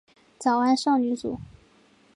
早安少女组。